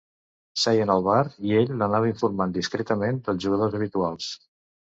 Seien al bar i ell l'anava informant discretament dels jugadors habituals.